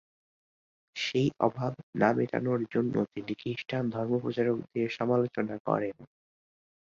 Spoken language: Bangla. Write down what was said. সেই অভাব না মেটানোর জন্য তিনি খ্রিস্টান ধর্মপ্রচারকদের সমালোচনা করেন।